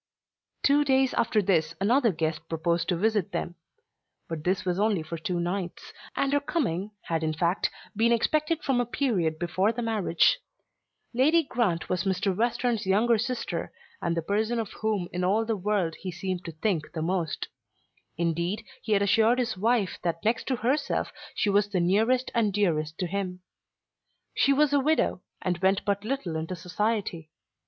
Two days after this another guest proposed to visit them. But this was only for two nights, and her coming had in fact been expected from a period before the marriage. Lady Grant was Mr. Western's younger sister, and the person of whom in all the world he seemed to think the most. Indeed he had assured his wife that next to herself she was the nearest and the dearest to him. She was a widow, and went but little into society.